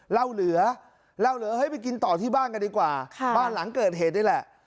เหล้าเหลือเหล้าเหลือเฮ้ยไปกินต่อที่บ้านกันดีกว่าบ้านหลังเกิดเหตุนี่แหละ